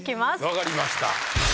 分かりました。